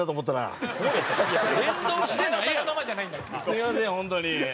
すみません本当にええ。